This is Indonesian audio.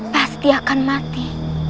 pasti akan mati